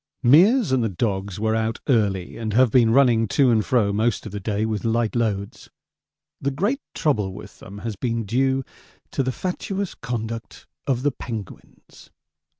Meares and the dogs were out early, and have been running to and fro most of the day with light loads. The great trouble with them has been due to the fatuous conduct of the penguins.